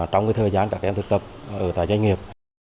trong thời gian các em thực tập ở tại doanh nghiệp